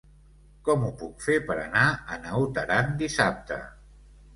Com ho puc fer per anar a Naut Aran dissabte?